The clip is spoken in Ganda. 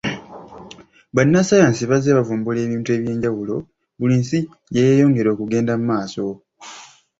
Bannasayansi bazze bavumbula ebintu eby'enjawulo buli nsi gye yeyongera okugenda maaso.